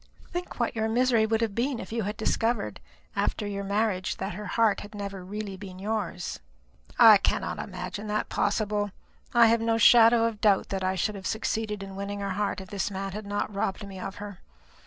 Think what your misery would have been if you had discovered after your marriage that her heart had never been really yours." "I cannot imagine that possible. I have no shadow of doubt that I should have succeeded in winning her heart if this man had not robbed me of her.